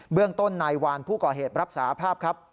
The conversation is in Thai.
เรื่องต้นนายวานผู้ก่อเหตุรับสาภาพครับ